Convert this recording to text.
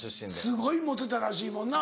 すごいモテたらしいもんな。